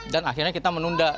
dan akhirnya kita menunda